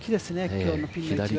今日のピンの位置が。